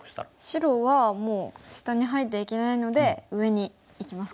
白はもう下に入っていけないので上にいきますか。